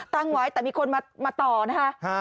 ตั้งไว้แต่มีคนมาต่อนะคะ